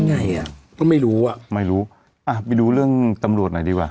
ไงอ่ะก็ไม่รู้อ่ะไม่รู้อ่ะไปดูเรื่องตำรวจหน่อยดีกว่า